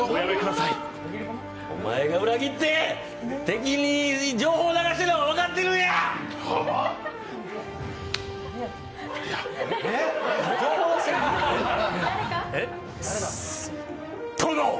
おまえが裏切って的に情報流してるのは分かってるんやー！